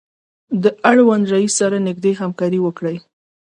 له اړونده رئیس سره نږدې همکاري وکړئ.